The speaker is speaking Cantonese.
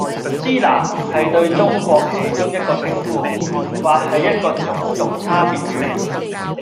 支那，係對中國其中一個稱呼，或係一個種族差別語